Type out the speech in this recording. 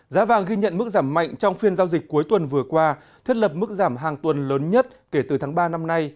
giá vàng ghi nhận mức giảm mạnh trong phiên giao dịch cuối tuần vừa qua thiết lập mức giảm hàng tuần lớn nhất kể từ tháng ba năm nay